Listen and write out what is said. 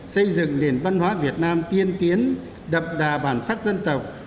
xây dựng nền văn hóa việt nam tiên tiến đậm đà bản sắc dân tộc